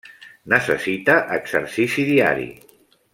Necessita exercici diari.